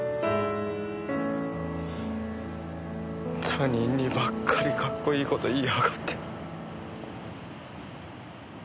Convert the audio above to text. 他人にばっかりかっこいい事言いやがって。